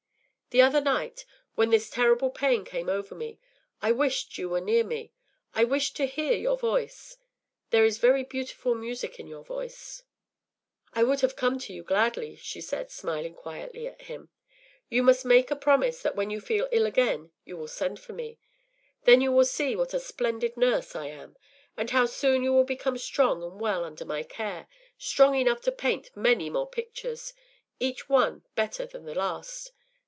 The other night, when this terrible pain came over me, I wished you were near me; I wished to hear your voice. There is very beautiful music in your voice.” “I would have come to you gladly,” she said, smiling quietly at him. “You must make a promise that when you feel ill again you will send for me. Then you will see what a splendid nurse I am, and how soon you will become strong and well under my care, strong enough to paint many more pictures, each one better than the last.